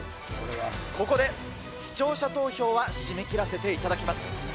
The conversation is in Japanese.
ここで視聴者投票は締め切らせていただきます。